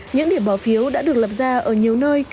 những điểm bỏ phiếu đã được lập ra ở nhiều nơi